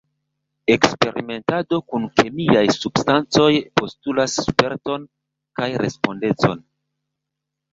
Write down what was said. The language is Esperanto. Eksperimentado kun kemiaj substancoj postulas sperton kaj respondecon.